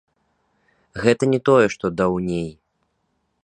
Гэта не тое, што даўней.